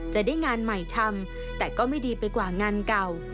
จะได้งานใหม่ทำแต่ก็ไม่ดีไปกว่างานเก่า